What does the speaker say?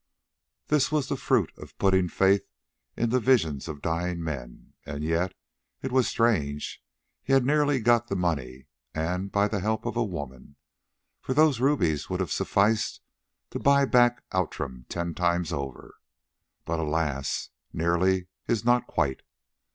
This was the fruit of putting faith in the visions of dying men. And yet, it was strange, he had nearly got the money and "by the help of a woman," for those rubies would have sufficed to buy back Outram ten times over. But, alas! nearly is not quite.